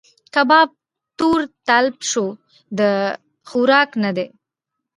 کباب تور تلب شو؛ د خوراک نه دی.